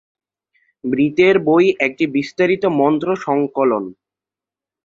মৃতের বই একটি বিস্তারিত মন্ত্র-সংকলন।